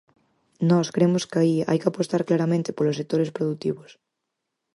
Nós cremos que aí hai que apostar claramente polos sectores produtivos.